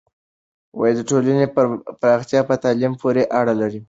د ټولنې پراختیا په تعلیم پورې اړه لري.